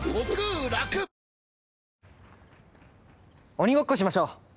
鬼ごっこしましょう。